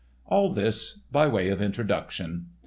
All this by way of introduction.